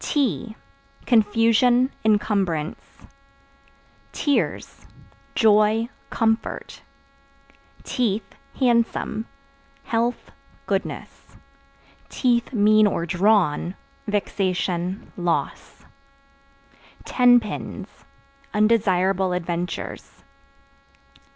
Tea Confusion, incumbrance. Tears Joy, comfort. Teeth (Handsome) health, goodness; (mean or drawn) vexation, loss. Ten Pins Undesirable adventures.